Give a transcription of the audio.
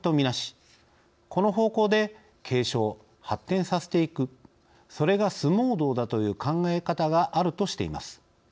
この方向で継承・発展させていくそれが相撲道だという考え方があるとしています。